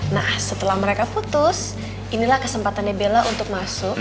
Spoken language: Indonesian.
nah setelah mereka putus inilah kesempatannya bella untuk masuk